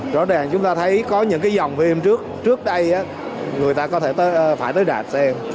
rõ ràng chúng ta thấy có những cái dòng phim trước đây người ta có thể phải tới đạt xem